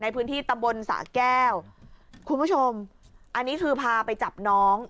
ในพื้นที่ตำบลสะแก้วคุณผู้ชมอันนี้คือพาไปจับน้อง